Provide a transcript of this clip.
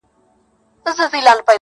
خو په هغو کې اندېښنه وه، درد و…